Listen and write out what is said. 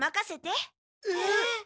えっ？